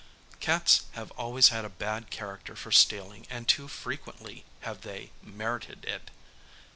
Cats have always had a bad character for stealing, and too frequently have they merited it.